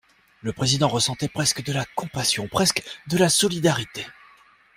Le président ressentait presque de la compassion, presque de la solidarité.